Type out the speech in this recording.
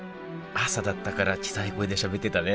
朝だったから小さい声でしゃべってたね